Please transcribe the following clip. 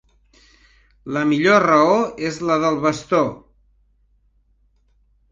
La millor raó és la del bastó.